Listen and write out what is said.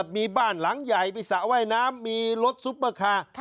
มีบ้านหลังใหญ่มีสระว่ายน้ำมีรถซุปเปอร์คาร์